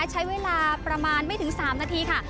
ใช้เวลาประมาณไม่ถึง๓นาทีค่ะ